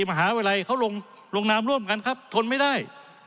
มหาวิทยาลัยเขาลงนามร่วมกันครับทนไม่ได้